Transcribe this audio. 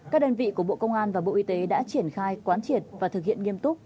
các đơn vị của bộ công an và bộ y tế đã triển khai quán triệt và thực hiện nghiêm túc